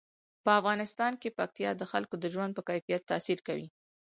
په افغانستان کې پکتیا د خلکو د ژوند په کیفیت تاثیر کوي.